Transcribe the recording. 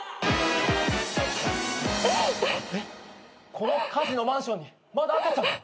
この火事のマンションにまだ赤ちゃんが。